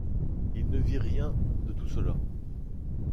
Il ne vit rien de tout cela.